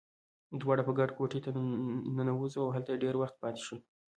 دواړه په ګډه کوټې ته ننوزو، او هلته ډېر وخت پاتې شو.